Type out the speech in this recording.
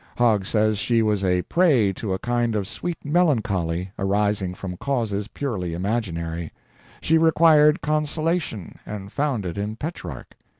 Hogg says she was a prey to a kind of sweet melancholy, arising from causes purely imaginary; she required consolation, and found it in Petrarch.